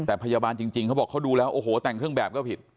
แต่พยาบาลจริงเขาดูแล้วอะไรวะแกว่งเครื่องแบบก็ผิด